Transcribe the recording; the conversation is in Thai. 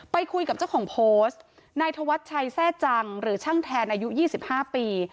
ไปคุยกับเจ้าของโพสต์นายธวัชชัยแทร่จังหรือช่างแทนอายุ๒๕ปี